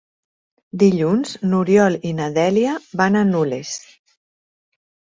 Dilluns n'Oriol i na Dèlia van a Nules.